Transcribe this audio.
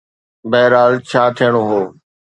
بهرحال، ڇا ٿيڻو هو.